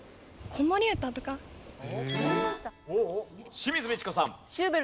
清水ミチコさん。